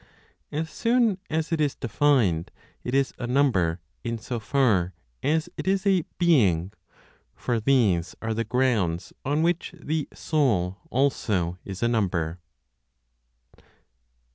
As soon as it is defined, it is a number in so far as it is a "being"; for these are the grounds on which the Soul also is a number.